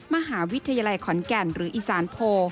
มหาวิทยาลัยขอนแก่นหรืออีสานโพ